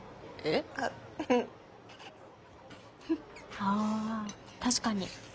あ確かに。